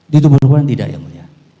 di tubuh korban tidak yang mulia